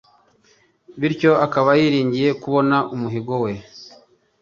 Bityo akaba yiringiye kubona umuhigo we.